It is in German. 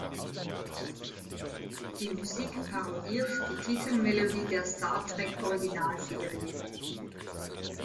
Die Musik parodiert die Titelmelodie der Star-Trek-Originalserie.